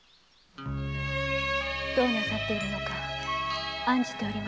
どうなさっているのか案じておりました。